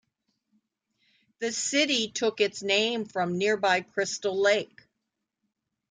The city took its name from nearby Crystal Lake.